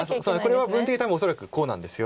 これは部分的に多分恐らくこうなんです。